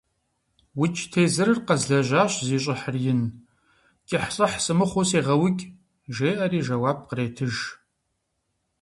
- УкӀ тезырыр къэзлэжьащ, зи щӀыхьыр ин, кӀыхь–лӏыхь сымыхъуу сегъэукӀ, – жеӀэри жэуап къретыж.